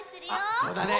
あそうだね。